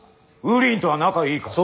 ウリンとは仲いいから。